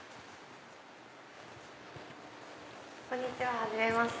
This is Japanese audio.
こんにちははじめまして。